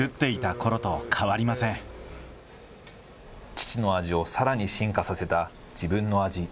父の味をさらに進化させた自分の味。